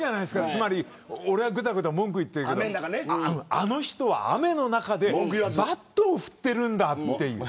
つまり俺はぐだぐだ文句を言っているけどあの人は雨の中でバットを振っているんだという。